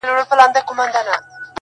تاریخي قصرونه ډېر ښکلي دي